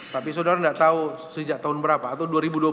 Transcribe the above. tapi saudara tidak tahu sejak tahun berapa atau dua ribu dua belas